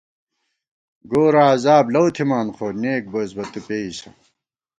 گورَہ عذاب لَؤتِھمان خو، نېک بوس بہ تُو پېئیسہ